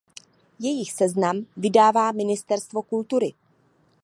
Jejich seznam vydává Ministerstvo kultury.